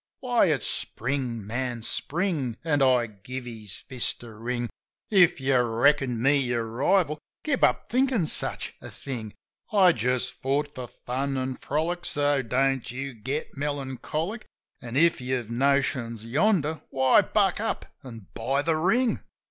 "Why, ifs Spring, man. Spring!" (An' I gave his fist a wring) "If you reckoned me your rival, give up thinkin' such a thing. I just fought for fun an' frolic, so don't you get melancholic; An', if you have notions yonder, why, buck up an' buy the ring!